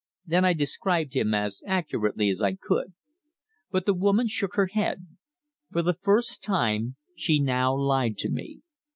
Then I described him as accurately as I could. But the woman shook her head. For the first time she now lied to me.